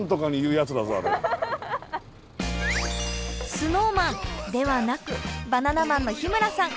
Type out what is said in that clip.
ＳｎｏｗＭａｎではなくバナナマンの日村さん。